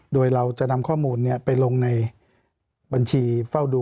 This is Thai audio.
โดยเราจะนำข้อมูลไปลงในบัญชีเฝ้าดู